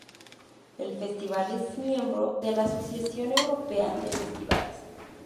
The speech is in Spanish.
El Festival es miembro de la Asociación Europea de Festivales.